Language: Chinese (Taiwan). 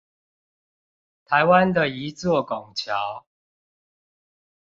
台灣的一座拱橋